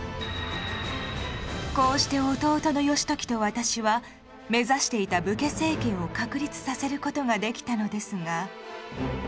こうして弟の義時と私は目指していた武家政権を確立させる事ができたのですが。